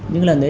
những lần đấy